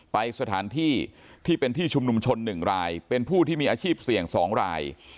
ไปสถานที่ที่เป็นที่ชุมนุมชน๑รายเป็นผู้ที่มีอาชีพเสี่ยง๒ราย